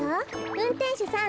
うんてんしゅさん。